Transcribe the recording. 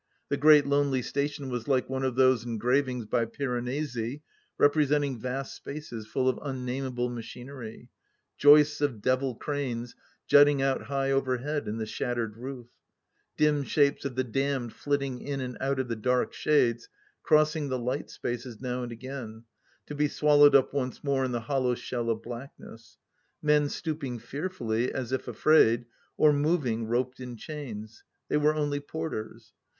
The great lonely station was like one of those engravings by Piranesi, representing vast spaces full of unnamable machinery ; joists of devil cranes jutting out high over head in the shattered roof ; dim shapes of the damned flitting in and out of the dark shades, crossing the light spaces now and again, to be swallowed up once more in the hollow shell of blackness ; men stooping fearfully, as if afraid, or moving, roped in chains. .. They were only porters I